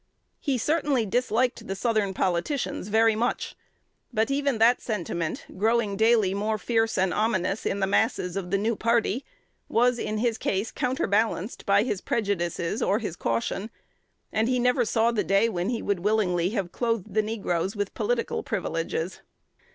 He certainly disliked the Southern politicians very much; but even that sentiment, growing daily more fierce and ominous in the masses of the new party, was in his case counterbalanced by his prejudices or his caution, and he never saw the day when he would willingly have clothed the negroes with political privileges.